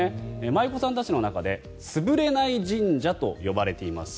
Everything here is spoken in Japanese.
舞妓さんたちの中で潰れない神社と呼ばれています